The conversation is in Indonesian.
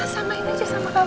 samain aja sama kamu